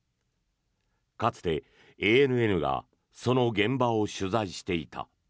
かつて、ＡＮＮがその現場を取材していた。